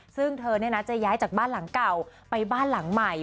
ซึ่งเธอจะย้ายจากบ้านหลังเก่าไปบ้านหลังใหม่